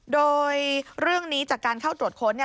โดยเรื่องนี้จากการเข้าตรวจค้น